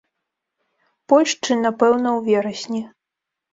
Польшчы, напэўна, у верасні.